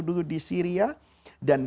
dulu di syria dan